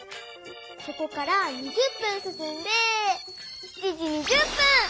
そこから２０分すすんで７時２０分！